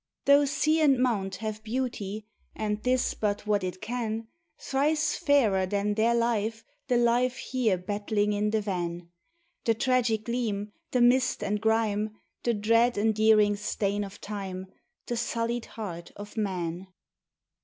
Though sea and mount have beauty, and this but what it can, Thrice fairer than their life the life here battling in the van, The tragic gleam, the mist and grime, The dread endearing stain of time, The sullied heart of man.